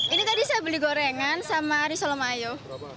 ini tadi saya beli gorengan sama risole mayo